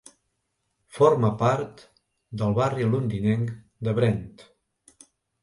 Forma part del barri londinenc de Brent.